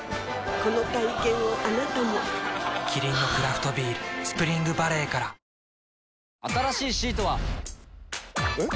この体験をあなたもキリンのクラフトビール「スプリングバレー」から新しいシートは。えっ？